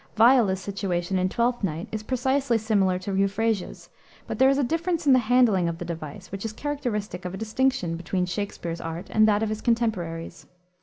Viola's situation in Twelfth Night is precisely similar to Euphrasia's, but there is a difference in the handling of the device which is characteristic of a distinction between Shakspere's art and that of his contemporaries.